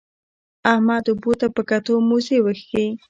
احمد اوبو ته په کتو؛ موزې وکښې.